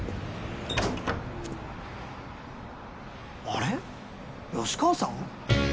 あれっ吉川さん？